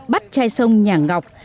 bắt chai sông nhả ngọc